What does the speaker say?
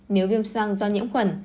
nếu viêm soan do nhiễm khuẩn